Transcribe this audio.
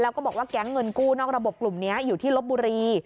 แล้วก็บอกว่าแก๊งเงินกู้นอกระบบกลุ่มนี้อยู่ที่ลบบุรี